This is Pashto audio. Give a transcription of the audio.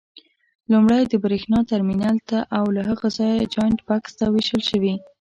لومړی د برېښنا ترمینل ته او له هغه ځایه جاینټ بکس ته وېشل شوي.